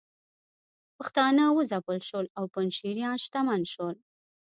پښتانه وځپل شول او پنجشیریان شتمن شول